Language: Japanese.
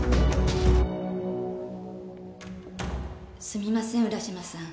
すみません浦島さん。